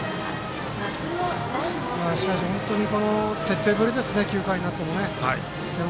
しかし、徹底ぶりですね９回になってもね。